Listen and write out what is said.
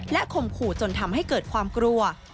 ข่มขู่จนทำให้เกิดความกลัว